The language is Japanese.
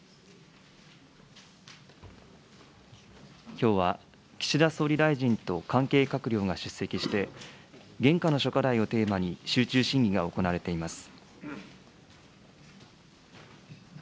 きょうは岸田総理大臣と関係閣僚が出席して、現下の諸課題をテーマに、集中審議が行われています。